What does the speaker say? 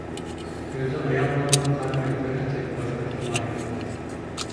ئۆزى ئايال بولغىنىغا قارىماي، جۈرئەتلىك، باشقۇرۇشقا ماھىر ئىدى.